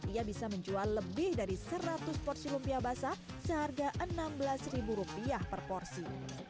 ia bisa menjual lebih dari seratus porsi lumpia basah seharga rp enam belas per porsi